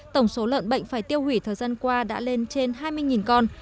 tổng số lợn bệnh phải tiêu hủy thời gian qua đã lên trên hai mươi con